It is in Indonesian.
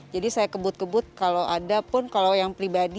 jadi saya kebut kebut kalau ada pun kalau yang pribadi